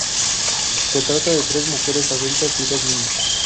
Se trata de tres mujeres adultas y dos niños.